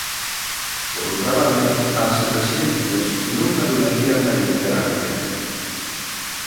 Por outra banda, as residencias non anularían a itinerancia.